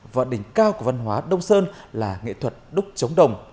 và đỉnh cao của văn hóa đông sơn là nghệ thuật đúc chống đồng